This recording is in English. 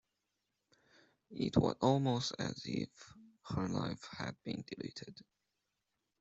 It was almost as if her life had been deleted.